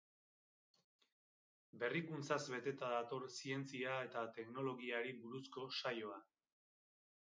Berrikuntzaz beteta dator zientzia eta teknologiari buruzko saioa.